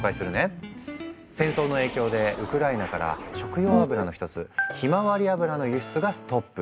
戦争の影響でウクライナから食用油の１つ「ひまわり油」の輸出がストップ。